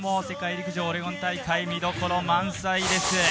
陸上オレゴン大会見どころ満載です。